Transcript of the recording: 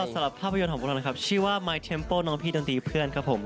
สำหรับภาพยนตร์ของพวกเรานะครับชื่อว่าไมค์เทมโป้น้องพี่ดนตรีเพื่อนครับผม